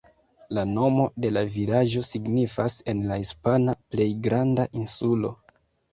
La nomo de la vilaĝo signifas en la hispana "Plej granda insulo".